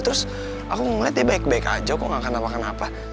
terus aku ngeliat dia baik baik aja kok gak nabrak apa apa